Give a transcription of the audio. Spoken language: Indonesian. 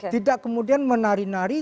tidak kemudian menari nari